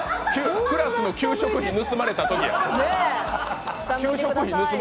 クラスの給食費盗まれたときや。